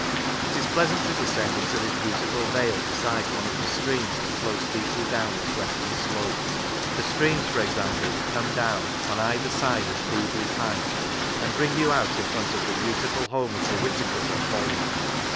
It is pleasant to descend into this beautiful vale beside one of the streams that flow steeply down its western slope; the streams, for example, that come downjDn either side of Thievely Pike, and bring you 119 Lancashire out in front of the beautiful home of the Whitakers at Holme.